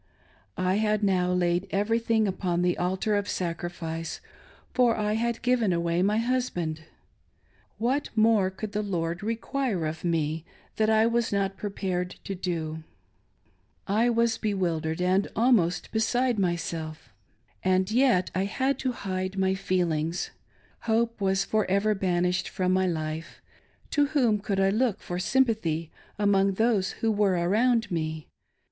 I had now laid everything upon the altar of sacrifice, for I had given away my husband. What more could the Lord require of me that I was not prepared to do ? I was bewildered and almost beside myself, and yet I had AFTER THE MARRIAGE: — HOME. 457 to hide my feelings. Hope was for ever banished from my life. To whom could I look for sympathy among those who were around me